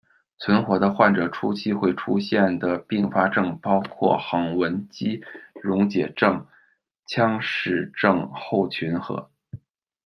存活的患者初期会出现的并发症包括横纹肌溶解症、、腔室症候群和。